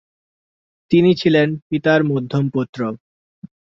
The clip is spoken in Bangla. তিনি ছিলেন পিতার মধ্যম পুত্র।